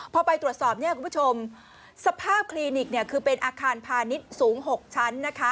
พอไปตรวจสอบสภาพคลีนิกคือเป็นอาการพาณิชย์สูง๖ชั้น